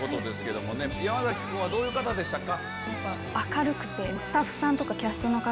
山君はどういう方でしたか？